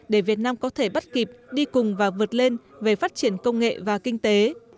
để việt nam có thể bắt kịp đi cùng và vượt lên về phát triển công nghệ và kinh tế